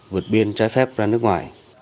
vượt biên trái phép ra nước ngoài